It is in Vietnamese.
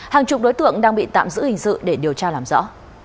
hàng chục đối tượng đang bị tạm giữ hình sự để điều tra làm rõ